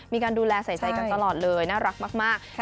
มีการดูแลใส่ใจกันตลอดเลยน่ารักมาก